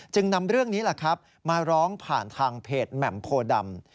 จึงนำเรื่องนี้มาร้องผ่านทางเพจแหม่มโพดำ